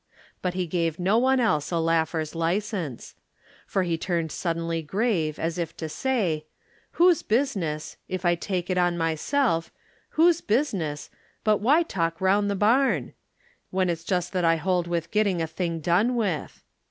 But he gave no one else a laugher's license. For he turned suddenly grave as if to say, "Whose business, if I take it on myself, Whose business but why talk round the barn? When it's just that I hold with getting a thing done with."